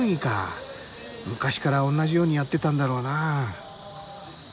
昔から同じようにやってたんだろうな。